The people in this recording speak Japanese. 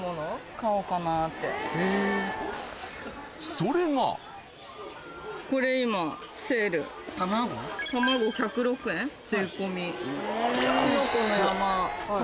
それが卵１０６円税込み。